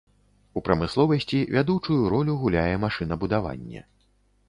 У прамысловасці вядучую ролю гуляе машынабудаванне.